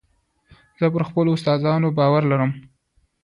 زه پر خپلو استادانو باور لرم.